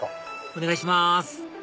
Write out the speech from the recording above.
お願いします